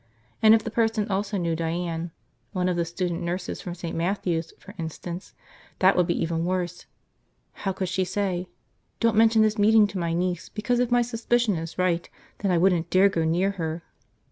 And if the person also knew Diane – one of the student nurses from St. Matthew's, for instance – that would be even worse. How could she say, don't mention this meeting to my niece because if my suspicion is right then I wouldn't dare go near her.